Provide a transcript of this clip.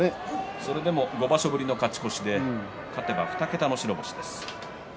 それでも５場所ぶりに勝ち越しで勝てば２桁の勝利です。